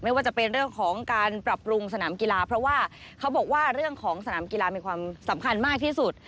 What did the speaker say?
ว่าจะเป็นเรื่องของการปรับปรุงสนามกีฬาเพราะว่าเขาบอกว่าเรื่องของสนามกีฬามีความสำคัญมากที่สุด